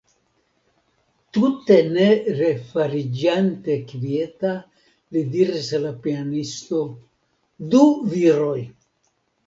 Tute ne refariĝante kvieta, li diris al la pianisto: Du viroj!